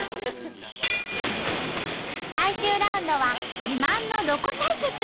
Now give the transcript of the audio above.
最終ラウンドは自慢のロコ対決！